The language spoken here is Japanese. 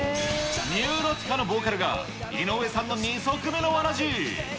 ニューロティカのボーカルが、井上さんの二足目のわらじ。